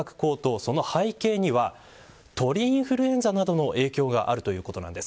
その背景には鳥インフルエンザなどの影響があるということなんです。